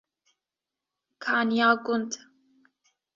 Kaniya Gund